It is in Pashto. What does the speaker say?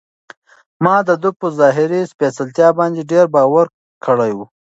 ما د ده په ظاهري سپېڅلتیا باندې ډېر باور کړی و.